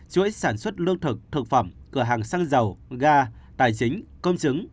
chuỗi sản xuất lương thực thực phẩm cửa hàng xăng dầu ga tài chính công chứng